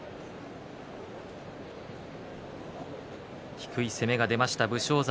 低い攻めが出ました武将山。